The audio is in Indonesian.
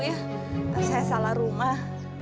nanti saya salah rumah